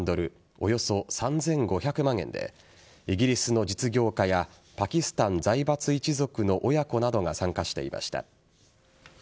およそ３５００万円でイギリスの実業家やパキスタン財閥一族の親子などが参加していました。